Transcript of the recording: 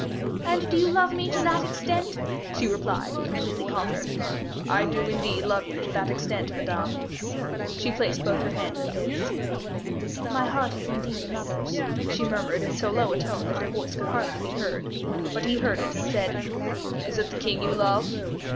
"And do you love me to that extent?" she replied, completely conquered. "I do indeed love you to that extent, Madame." She placed both her hands in his. "My heart is indeed another's," she murmured in so low a tone that her voice could hardly be heard; but he heard it, and said, "Is it the king you love?"